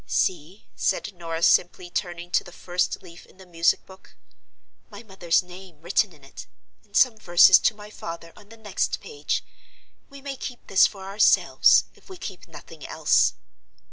"See," said Norah, simply, turning to the first leaf in the music book—"my mother's name written in it, and some verses to my father on the next page. We may keep this for ourselves, if we keep nothing else."